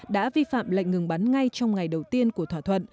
đã vi phạm lệnh ngừng bắn ngay trong ngày đầu tiên của thỏa thuận